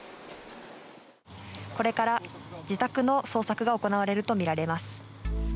これから自宅の捜索が行われるとみられます。